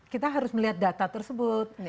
kita harus melihat data tersebut